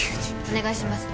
お願いします！